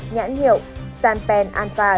nhãn hiệu sanpen alpha